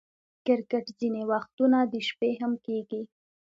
کرکټ ځیني وختونه د شپې هم کیږي.